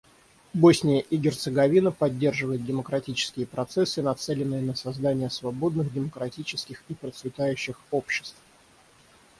Босния и Герцеговина поддерживает демократические процессы, нацеленные на создание свободных, демократических и процветающих обществ.